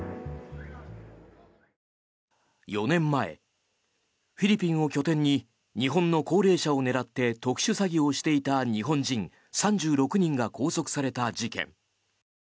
４年前、フィリピンを拠点に日本の高齢者を狙って特殊詐欺をしていた日本人３６人が拘束された事件。